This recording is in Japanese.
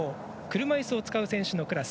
車いすを使う選手のクラス。